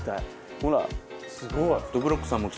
ほらすごい。